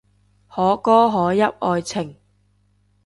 可歌可泣愛情